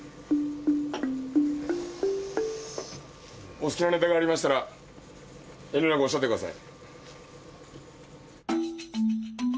お好きなネタがありましたら遠慮なくおっしゃってください。